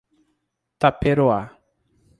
Taperoá